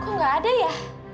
kok gak ada ya